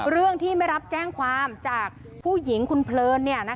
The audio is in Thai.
เรื่องที่ไม่รับแจ้งความจากผู้หญิงคุณเพลิน